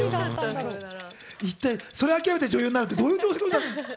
それを諦めて女優になるってどういう状況？